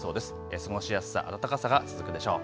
過ごしやすさ暖かさが続くでしょう。